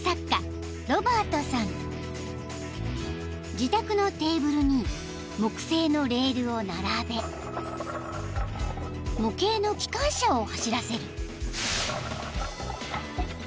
［自宅のテーブルに木製のレールを並べ模型の機関車を走らせる］